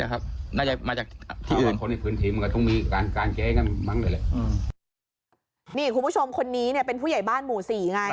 นี่คุณผู้ชมคนนี้เป็นผู้ใหญ่บ้านหมู่๔ไง